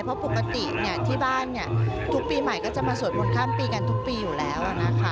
เพราะปกติที่บ้านทุกปีใหม่ก็จะมาสวดมนต์ข้ามปีกันทุกปีอยู่แล้วนะคะ